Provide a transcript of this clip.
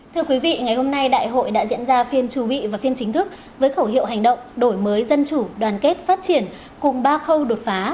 thưa quý vị ngày hôm nay đại hội đã diễn ra phiên trù bị và phiên chính thức với khẩu hiệu hành động đổi mới dân chủ đoàn kết phát triển cùng ba khâu đột phá